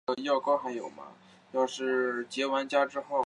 波部山椒螺为山椒蜗牛科山椒螺属下的一个种。